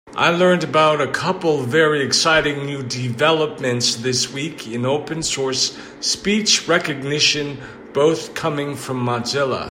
I learned about a couple very exciting new developments this week in open source speech recognition, both coming from Mozilla.